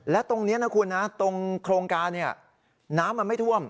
และตรงนี้นะคุณนะตรงโครงการน้ำมันไม่ท่วม